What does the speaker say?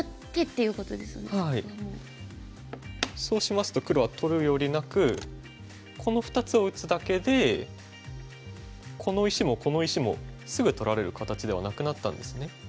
そうしますと黒は取るよりなくこの２つを打つだけでこの石もこの石もすぐ取られる形ではなくなったんですね。